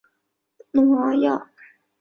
诺阿亚。